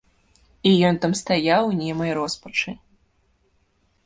І ён там стаяў у немай роспачы.